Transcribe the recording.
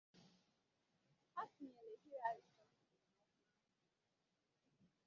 Ha tinyere Harry Johnston n'ọkwá ahu.